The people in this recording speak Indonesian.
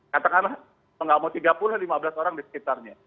katakanlah kalau nggak mau tiga puluh lima belas orang di sekitarnya